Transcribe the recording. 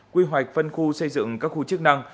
quy hoạch phân khu xây dựng các khu chức năng